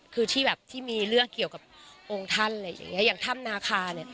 คือที่แบบที่มีเรื่องเกี่ยวกับองค์ท่านอะไรอย่างเงี้อย่างถ้ำนาคาเนี่ย